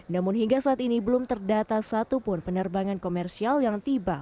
namun hingga saat ini belum terdata satupun penerbangan komersial yang tiba